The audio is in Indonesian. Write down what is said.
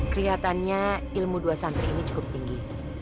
kelihatannya ilmu dua santri ini cukup tinggi